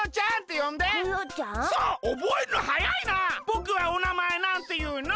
ぼくはおなまえなんていうの？